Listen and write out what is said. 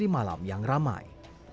malam yang ramai